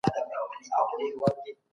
په راتلونکي کي به روغتونونه جوړ سي.